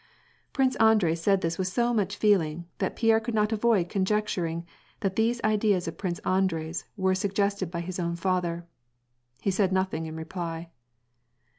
Prince Andrei said this with so much feeling, that Pierre could not avoid conjecturing that these ideas of Prince Andrei's were suggested by his own father. He said nothing in reply.